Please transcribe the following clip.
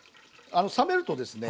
冷めるとですね